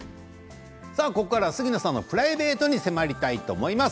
ここからは杉野さんのプライベートに迫りたいと思います。